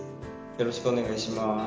よろしくお願いします。